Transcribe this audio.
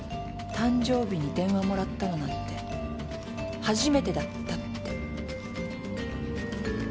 「誕生日に電話もらったのなんて初めてだった」って。